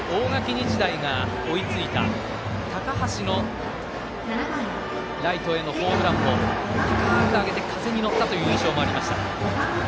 日大が追いついた高橋のライトへのホームランも高く上げて風に乗ったという印象がありました。